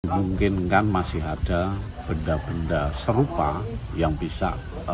dimungkinkan masih ada benda benda serupa yang bisa